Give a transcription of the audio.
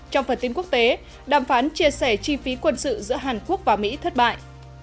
trong phần tin quốc tế đàm phán chia sẻ chi phí quân sự giữa hàn quốc và mỹ thất bại